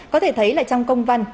có thể thấy là trong công văn